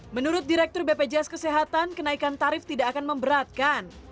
menurut direktur bpjs kesehatan kenaikan tarif tidak akan memberatkan